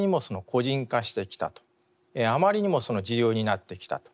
あまりにも自由になってきたと。